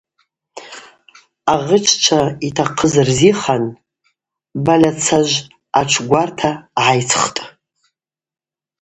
Агъыччва йтахъыз рзихан Бальацажв атшгварта гӏайцхтӏ.